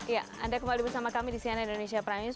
ya anda kembali bersama kami di cnn indonesia prime news